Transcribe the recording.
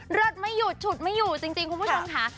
เลือดไม่หยุดฉุดไม่อยู่จริงคุณผู้ชมค่ะ